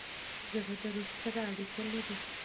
زړه د روح سره اړیکه لري.